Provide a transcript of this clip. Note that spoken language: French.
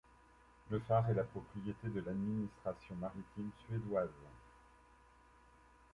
Le phare est la propriété de l’administration maritime suédoise.